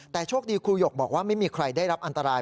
แต่โชคดีครูหยกบอกว่าไม่มีใครได้รับอันตราย